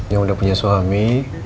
yang udah punya suami